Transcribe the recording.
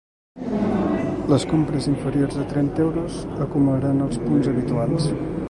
Les compres inferiors a trenta euros acumularan els punts habituals.